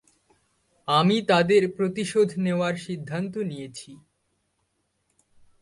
আমি তাদের প্রতিশোধ নেওয়ার সিদ্ধান্ত নিয়েছি।